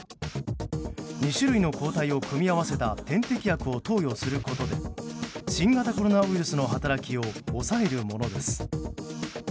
２種類の抗体を組み合わせた点滴薬を投与することで新型コロナウイルスの働きを抑えるものです。